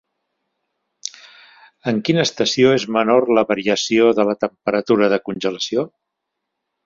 En quina estació és menor la variació de la temperatura de congelació?